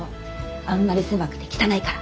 あんまり狭くて汚いから。